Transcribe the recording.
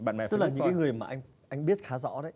tức là những người mà anh biết khá rõ đấy